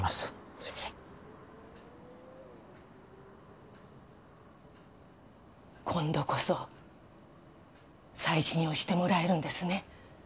すいません今度こそ再審をしてもらえるんですね？